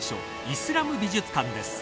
イスラム美術館です。